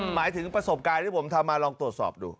หมายถึงประสบการณ์ที่ผมทำมาลองตรวจสอบดู